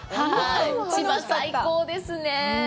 千葉、最高ですねぇ！